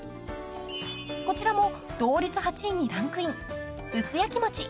［こちらも同率８位にランクイン］